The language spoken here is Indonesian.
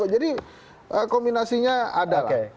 jadi kombinasinya ada lah